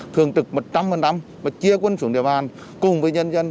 thường trực một trăm linh và chia quân xuống địa bàn cùng với nhân dân